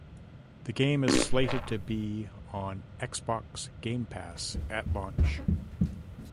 The game is slated to be on Xbox Game Pass at launch.